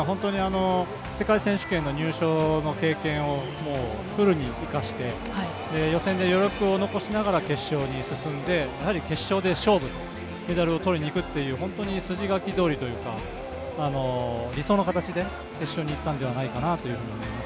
世界選手権の入賞の経験をフルに生かして予選で余力を残しながら決勝に進んで、やはり決勝で勝負、メダルを取りに行くという筋書き通りというか、理想の形で決勝に行ったんではないかなと思います。